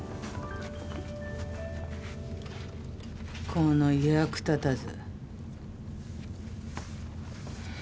この役立たず。